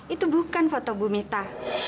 itu bukan foto bu mita